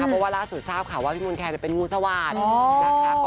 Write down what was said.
เพราะว่าล่าสุดท้าบค่ะว่าพี่ม้วนแค้นจะเป็นงูสวรรค์